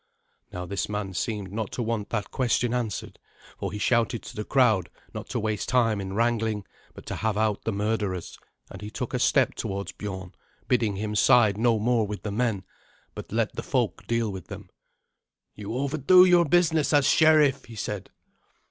Now this man seemed not to want that question answered, for he shouted to the crowd not to waste time in wrangling, but to have out the murderers; and he took a step towards Biorn, bidding him side no more with the men, but let the folk deal with them. "You overdo your business as sheriff!" he said.